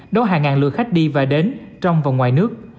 đón hàng ngàn lượt khách đi và đến trong và ngoài nước